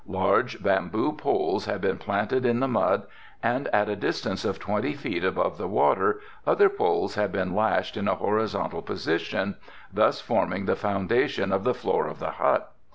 Large bamboo poles had been planted in the mud and at a distance of twenty feet above the water other poles had been lashed in a horizontal position, thus forming the foundation of the floor of the hut.